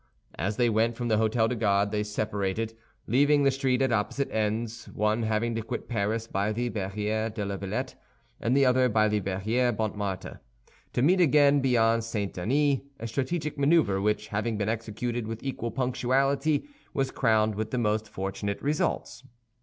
As they went from the Hôtel des Gardes, they separated, leaving the street at opposite ends, one having to quit Paris by the Barrière de la Villette and the other by the Barrière Montmartre, to meet again beyond St. Denis—a strategic maneuver which, having been executed with equal punctuality, was crowned with the most fortunate results.